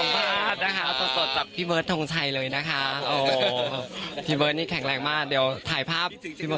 สดสดจากพี่เบิร์ททงชัยเลยนะคะพี่บ้อสนี่แข็งแรงมากเดี๋ยวถ่ายภาพ